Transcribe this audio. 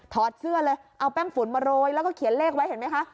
อดเสื้อเลยเอาแป้งฝุ่นมาโรยแล้วก็เขียนเลขไว้เห็นไหมคะ